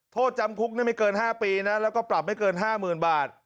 โทษจำคุกไม่เกิน๕ปีนะแล้วก็ปรับไม่เกิน๕๐๐๐บาท